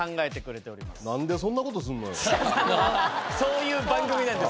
そういう番組なんです。